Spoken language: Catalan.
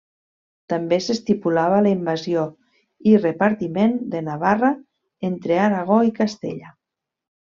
També s'estipulava la invasió i repartiment de Navarra entre Aragó i Castella.